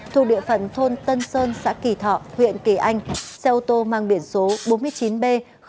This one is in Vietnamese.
thuộc địa phận thôn tân sơn xã kỳ thọ huyện kỳ anh xe ô tô mang biển số bốn mươi chín b một nghìn bảy trăm hai mươi bảy